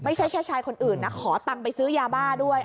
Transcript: ไม่ใช่แค่ชายคนอื่นนะขอตังค์ไปซื้อยาบ้าด้วย